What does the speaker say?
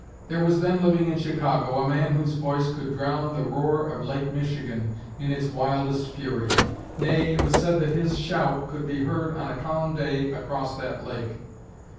There was then living in Chicago a man whose voice could drown the roar of Lake Michigan in its wildest fury; nay, it was said that his shout could be heard on a calm day across that lake.